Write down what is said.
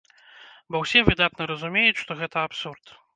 Бо ўсе выдатна разумеюць, што гэта абсурд.